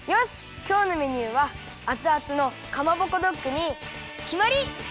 きょうのメニューはアツアツのかまぼこドッグにきまり！